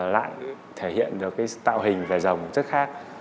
lại thể hiện được cái tạo hình về rồng rất khác